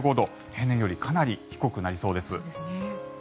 平年よりかなり低くなりそうです。